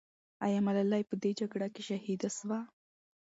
آیا ملالۍ په دې جګړه کې شهیده سوه؟